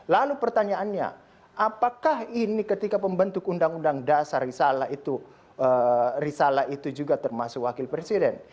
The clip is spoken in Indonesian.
lalu pertanyaannya apakah ini ketika pembentuk undang undang dasar risalah itu risalah itu juga termasuk wakil presiden